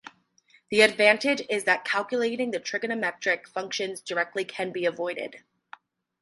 The advantage is that calculating the trigonometric functions directly can be avoided.